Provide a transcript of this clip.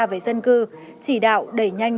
về dân cư chỉ đạo đẩy nhanh